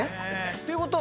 ていうことは。